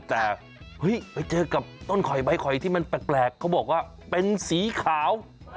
แต่เฮ้ยไปเจอกับต้นข่อยใบข่อยที่มันแปลกเขาบอกว่าเป็นสีขาว